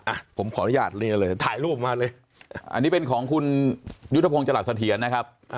อ่ะผมขออนุญาตเรียนเลยถ่ายรูปมาเลยอันนี้เป็นของคุณยุทธพงศ์จรัสเถียรนะครับ